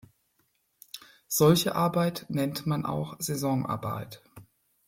Solche Arbeit nennt man auch Saisonarbeit.